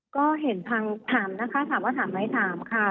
ก็เห็นทางถามนะคะถามว่าถามไหมถามค่ะ